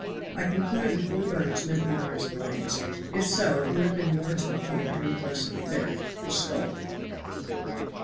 I conclude the four bones meant the arms and legs. If so it would have been more to the point had he blessed the fifth the skull.